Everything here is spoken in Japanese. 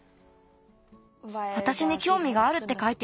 わたしにきょうみがあるってかいてある。